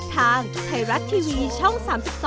ทางไทยรัฐทีวีช่อง๓๒